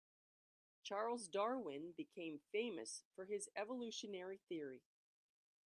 Charles Darwin became famous for his evolutionary theory.